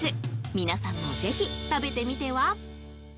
皆さんもぜひ、食べてみては？